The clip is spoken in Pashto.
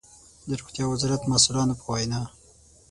د روغتيا وزارت مسؤلانو په وينا